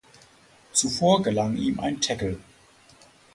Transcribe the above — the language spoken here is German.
Zuvor gelang ihm ein Tackle.